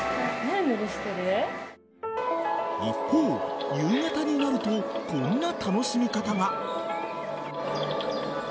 一方、夕方になるとこんな楽しみ方が。